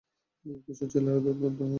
কিশোর ছেলেরা দুরন্ত হয়।